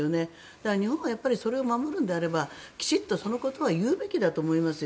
だから日本はそれを守るのであればきちんとそのことは言うべきだと思いますよ。